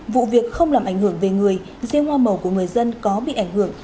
vụ việc không làm ảnh hưởng về người riêng hoa màu của người dân có bị ảnh hưởng